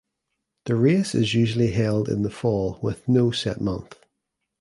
The race is usually held in the fall with no set month.